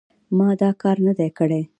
ما دا کار نه دی کړی.